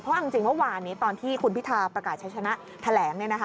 เอาจริงเมื่อวานนี้ตอนที่คุณพิธาประกาศใช้ชนะแถลง